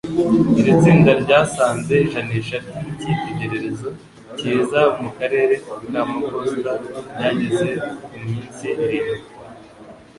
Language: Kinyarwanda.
Iri tsinda ryasanze ijanisha ry’icyitegererezo cyiza mu karere k’amaposita ryageze ku minsi irindwi